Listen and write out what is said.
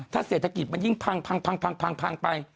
ถ้าเศรษฐกิจมันยิ่งพังไป